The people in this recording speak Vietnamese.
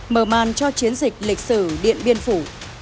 mở màn cho chiến dịch lịch sử điện biên phủ